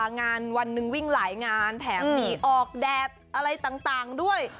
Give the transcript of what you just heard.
งานวันหนึ่งวิ่งหลายงานแถมมีออกแดดอะไรต่างด้วย